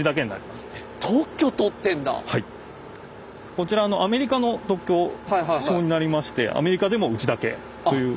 こちらアメリカの特許証になりましてアメリカでもうちだけという。